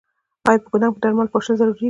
آیا په ګدام کې درمل پاشل ضروري دي؟